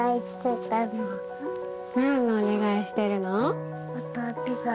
なんのお願いしてるの？